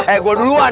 eh gue duluan